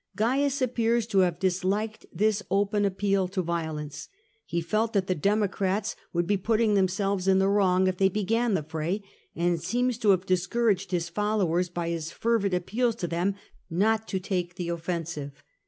Cains appears to have disliked this open appeal to violence. He felt that the Democrats would be putting themselves in the wrong if they began the fray, and seems to have discouraged his followers by his fervid appeals to them not to take the offensive.